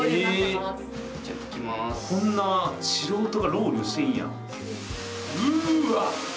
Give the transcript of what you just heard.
こんな、素人がロウリュしてええんや。